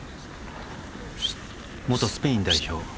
元スペイン代表